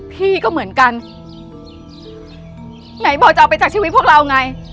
พี่ก็เหมือนกันไหนบอกจะเอาไปจากชีวิตพวกเราไง